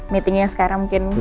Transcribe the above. meetingnya sekarang mungkin